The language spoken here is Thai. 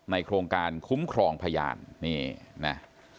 โครงการคุ้มครองพยานนี่นะ